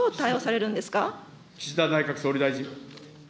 岸田内閣総理大臣。